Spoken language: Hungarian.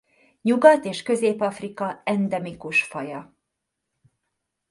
Nyugat és Közép-Afrika endemikus faja.